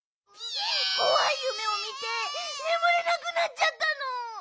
こわいゆめをみてねむれなくなっちゃったの。